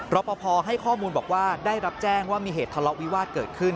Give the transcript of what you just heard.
รอปภให้ข้อมูลบอกว่าได้รับแจ้งว่ามีเหตุทะเลาะวิวาสเกิดขึ้น